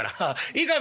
いいかい？